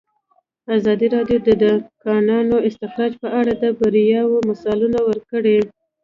ازادي راډیو د د کانونو استخراج په اړه د بریاوو مثالونه ورکړي.